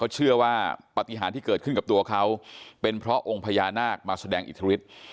เชื่อว่าปฏิหารที่เกิดขึ้นกับตัวเขาเป็นเพราะองค์พญานาคมาแสดงอิทธิฤทธิ์